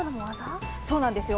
そうなんですよ。